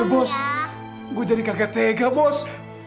iya bos gua jadi kagak tega bos